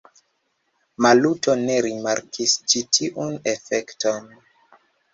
Maluto ne rimarkis ĉi tiun efekton.